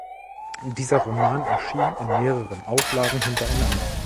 Dieser Roman erschien in mehreren Auflagen hintereinander.